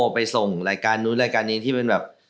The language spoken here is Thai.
ไปส่งรายการนู้นรายการนี้ที่เป็นแบบ